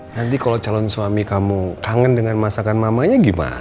nanti kalau calon suami kamu kangen dengan masakan mamanya gimana